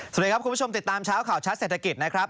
สวัสดีครับคุณผู้ชมติดตามเช้าข่าวชัดเศรษฐกิจนะครับ